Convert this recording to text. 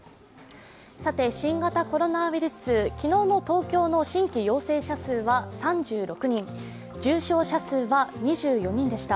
新型コロナウイルス、昨日の東京の新規陽性者数は３６人、重症者数は２４人でした。